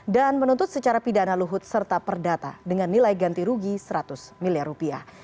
menuntut secara pidana luhut serta perdata dengan nilai ganti rugi seratus miliar rupiah